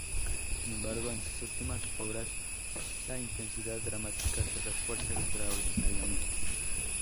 Sin embargo, en sus últimas obras la intensidad dramática se refuerza extraordinariamente.